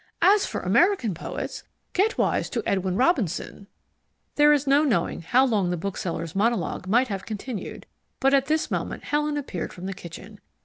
As for American poets, get wise to Edwin Robinson " There is no knowing how long the bookseller's monologue might have continued, but at this moment Helen appeared from the kitchen.